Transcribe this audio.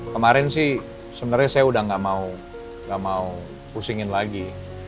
kemarin sih sebenarnya saya udah gak mau pusingin lagi